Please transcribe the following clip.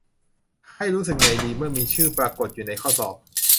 ให้รู้สึกไงดี เมื่อมีชื่อปรากฎอยู่ในข้อสอบ